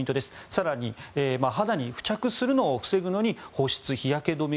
更に、肌に付着するのを防ぐのに保湿、日焼け止め